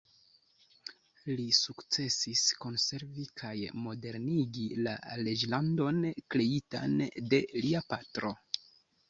Li sukcesis konservi kaj modernigi la reĝlandon kreitan de lia patro.